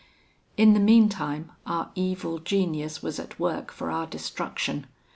"In the meantime our evil genius was at work for our destruction.